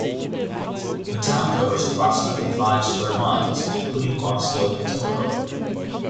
The town covers approximately five square miles, including Bronxville and Tuckahoe.